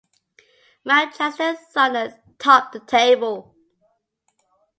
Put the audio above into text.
Manchester Thunder topped the table.